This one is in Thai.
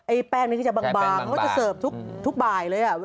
แป้งนี่ก็จะบางเขาก็จะเสิร์ฟทุกบ่ายเลย